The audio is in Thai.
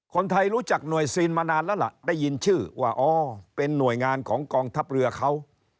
คนไทยรู้จักหน่วยซีนมานานแล้วล่ะได้ยินชื่อว่าอ๋อเป็นหน่วยงานของกองทัพเรือเขา